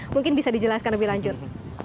mungkin bisa dijelaskan lebih lanjut